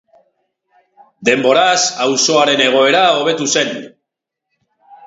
Denboraz auzoaren egoera hobetu zen.